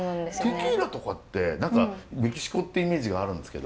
テキーラとかってメキシコってイメージがあるんですけど。